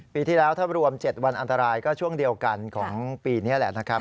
ปีที่แล้วถ้ารวม๗วันอันตรายก็ช่วงเดียวกันของปีนี้แหละนะครับ